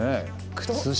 靴下。